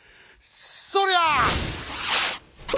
そりゃ」。